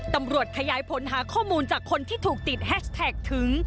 ตำรวจขยายผลหาข้อมูลจากคนที่ถูกติดแฮชแท็กถึง